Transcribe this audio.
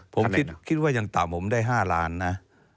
ผมคิดว่ายังต่ำผมได้๕ล้านนะ